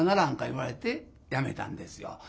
言われてやめたんですよ。